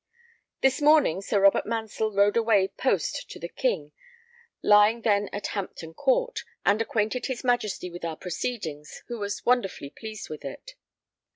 This morning Sir Robert Mansell rode away post to the King, lying then at Hampton Court, and acquainted his Majesty with our proceedings, who was wonderfully pleased with it.